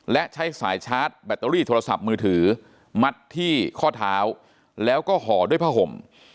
และใช้สายชาร์จแบตเตอรี่โทรศัพท์มือถือมัดที่ข้อเท้าแล้วก็ห่อด้วยผ้าห่ม